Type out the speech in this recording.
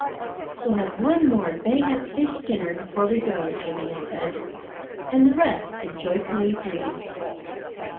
"We'll have one more bang up fish dinner before we go," Jimmy had said. And the rest had joyfully agreed.